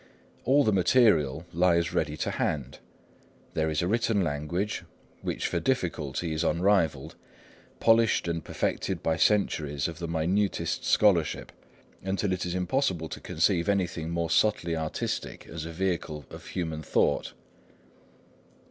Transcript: All the material lies ready to hand. There is a written language, which for difficulty is unrivalled, polished and perfected by centuries of the minutest scholarship, until it is impossible to conceive anything more subtly artistic as a vehicle of human thought.